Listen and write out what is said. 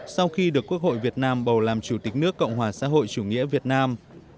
sau khi được quốc hội việt nam bầu làm chủ tịch nước cộng hòa xã hội chủ nghĩa việt nam